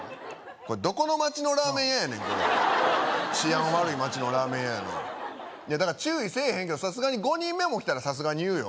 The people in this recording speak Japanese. これどこの街のラーメン屋やねんこれ治安悪い街のラーメン屋やなだから注意せえへんけどさすがに５人目も来たら言うよ